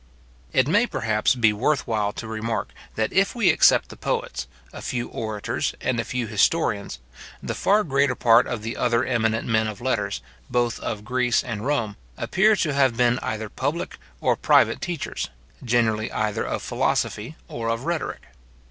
It may, perhaps, be worth while to remark, that, if we except the poets, a few orators, and a few historians, the far greater part of the other eminent men of letters, both of Greece and Rome, appear to have been either public or private teachers; generally either of philosophy or of rhetoric.